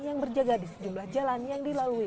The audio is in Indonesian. yang berjaga di sejumlah jalan yang dilalui